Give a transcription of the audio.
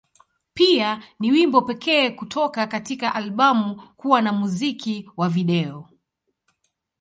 Pia, ni wimbo pekee kutoka katika albamu kuwa na muziki wa video.